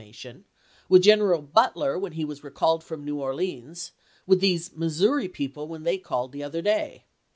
mation, with General Butler when he was recalled from New Orleans, with these Missouri people when they called the other day.